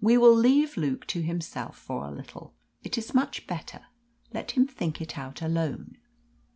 We will leave Luke to himself for a little. It is much better. Let him think it out alone."